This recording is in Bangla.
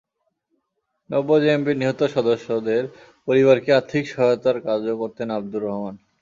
নব্য জেএমবির নিহত সদস্যদের পরিবারকে আর্থিক সহায়তার কাজও করতেন আবদুর রহমান।